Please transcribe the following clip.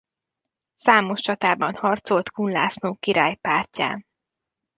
Számos csatában harcolt Kun László király pártján.